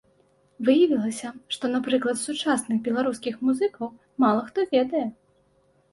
Выявілася, што, напрыклад, сучасных беларускіх музыкаў мала хто ведае.